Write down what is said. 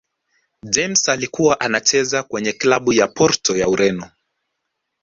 james alikuwa anacheza kwenye klabu ya porto ya ureno